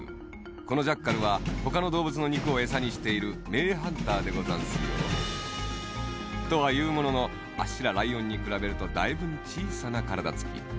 このジャッカルはほかのどうぶつのにくをえさにしているめいハンターでござんすよ。とはいうもののあっしらライオンにくらべるとだいぶんちいさなからだつき。